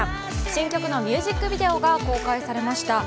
新曲のミュージックビデオが公開されました。